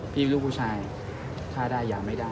พี่ลูกผู้ชายถ้าได้ยังไม่ได้